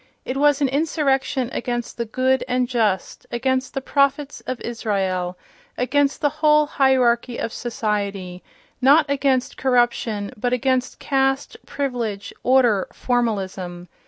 It was an insurrection against the "good and just," against the "prophets of Israel," against the whole hierarchy of society—not against corruption, but against caste, privilege, order, formalism.